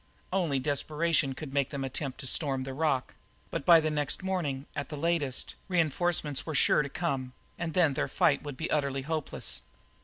Only desperation could make them attempt to storm the rock, but by the next morning, at the latest, reinforcements were sure to come, and then their fight would be utterly hopeless.